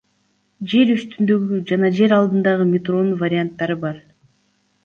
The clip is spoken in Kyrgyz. Жер үстүндөгү жана жер алдындагы метронун варианттары бар.